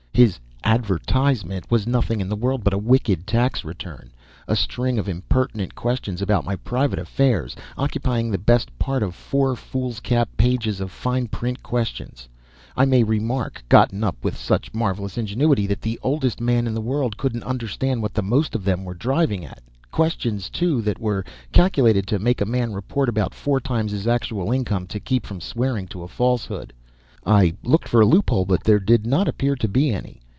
His "advertisement" was nothing in the world but a wicked tax return a string of impertinent questions about my private affairs, occupying the best part of four foolscap pages of fine print questions, I may remark, gotten up with such marvelous ingenuity that the oldest man in the world couldn't understand what the most of them were driving at questions, too, that were calculated to make a man report about four times his actual income to keep from swearing to a falsehood. I looked for a loophole, but there did not appear to be any.